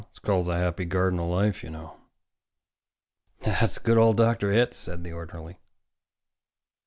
"It's called 'The Happy Garden of Life,' you know." "That's good of Dr. Hitz," said the orderly.